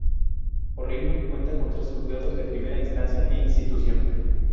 Porriño cuenta con tres Juzgados de Primera Instancia e Instrucción.